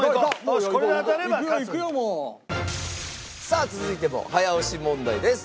さあ続いても早押し問題です。